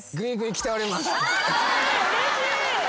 うれしい。